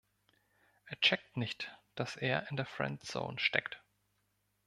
Er checkt nicht, dass er in der Friendzone steckt.